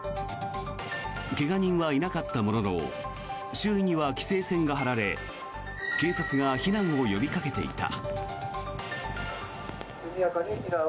怪我人はいなかったものの周囲には規制線が張られ警察が避難を呼びかけていた。